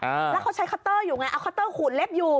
แล้วเขาใช้คัตเตอร์อยู่ไงเอาคัตเตอร์ขูดเล็บอยู่